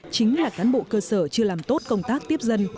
chính là cán bộ cơ sở chưa làm tốt công tác tiếp dân